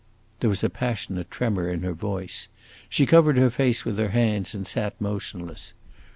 There was a passionate tremor in her voice; she covered her face with her hands and sat motionless.